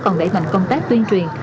còn đẩy mạnh công tác tuyên truyền